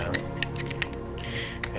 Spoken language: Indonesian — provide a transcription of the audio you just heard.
boleh gak pak